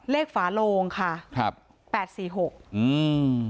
ฝาโลงค่ะครับแปดสี่หกอืม